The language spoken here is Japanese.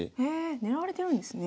狙われてるんですね。